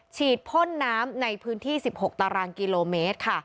ฉีดพ่นน้ำในพื้นที่๑๖ตารางกิโลเมตรค่ะ